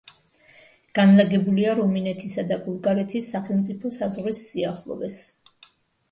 განლაგებულია რუმინეთისა და ბულგარეთის სახელმწიფო საზღვრის სიახლოვეს.